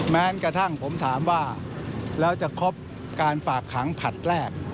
แม้กระทั่งผมถามว่าแล้วจะครบการฝากขังผลัดแรก